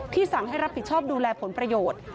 สั่งให้รับผิดชอบดูแลผลประโยชน์